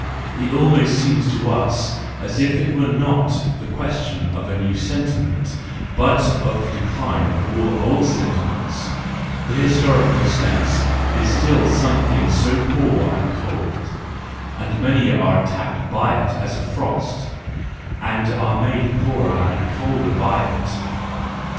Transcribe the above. It almost seems to us as if it were not the question of a new sentiment, but of the decline of all old sentiments :—the historical sense is still some¬ thing so poor and cold, and many are attacked by it as by a frost, and are made poorer and colder by it.